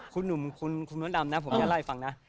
คุณหนุ่มคุณม้วนดำนะผมจะเล่าให้ฟังนะ